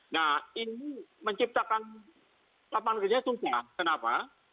nah ini menciptakan lapangan kerja yang sumpah kenapa